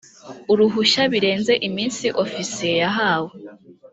uruhushya birenze iminsi ofisiye yahawe